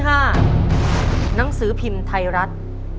หนังสือพิมพ์ไทยรัฐ